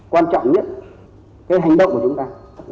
quan trọng nhất cái hành động của chúng ta